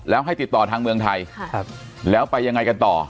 แล้วให้ติดต่อทางเมืองไทยแล้วไปยังไงกันต่อ